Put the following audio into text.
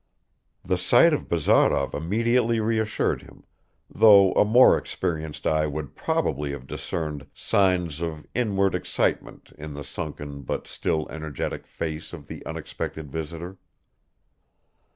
The sight of Bazarov immediately reassured him, though a more experienced eye would probably have discerned signs of inward excitement in the sunken but still energetic face of the unexpected visitor.